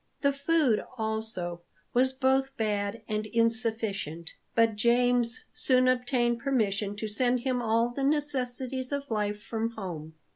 The food, also, was both bad and insufficient; but James soon obtained permission to send him all the necessaries of life from home.